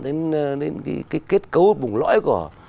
đến cái kết cấu vùng lõi của